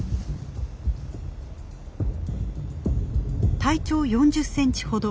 体長４０センチほど。